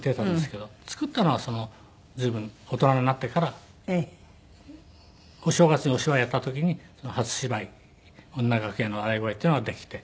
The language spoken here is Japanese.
作ったのは随分大人になってからお正月にお芝居やった時にその「初芝居女樂屋の笑ひ聲」っていうのができて。